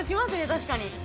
確かに。